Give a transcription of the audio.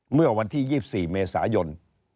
เมื่อวันที่๒๔เมษายน